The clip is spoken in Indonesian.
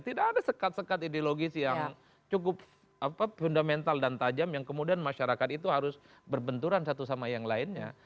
tidak ada sekat sekat ideologis yang cukup fundamental dan tajam yang kemudian masyarakat itu harus berbenturan satu sama yang lainnya